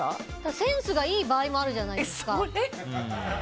センスがいい場合もあるじゃないですか。